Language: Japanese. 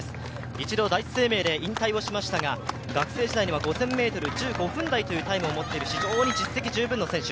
一度第一生命で引退をしましたが学生時代５０００ｍ、１５分台というタイムを持っている非常に実績十分の選手。